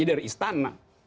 ya dari istana